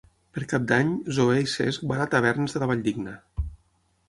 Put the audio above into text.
Per Cap d'Any na Zoè i en Cesc van a Tavernes de la Valldigna.